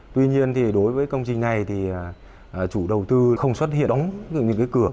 tuy nhiên thì đối với công trình này thì chủ đầu tư không xuất hiện đóng những cái cửa